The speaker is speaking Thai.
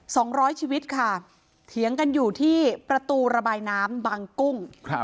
สองร้อยชีวิตค่ะเถียงกันอยู่ที่ประตูระบายน้ำบางกุ้งครับ